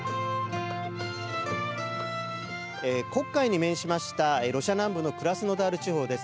黒海に面しましたロシア南部のクラスノダール地方です。